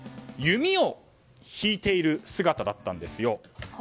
弓を引いている姿だったんですよ。